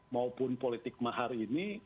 maupun politik mahar ini